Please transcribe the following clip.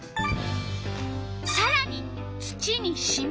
さらに「土にしみこむ」。